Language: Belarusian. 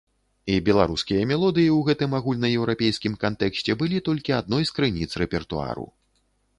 І беларускія мелодыі ў гэтым агульнаеўрапейскім кантэксце былі толькі адной з крыніц рэпертуару.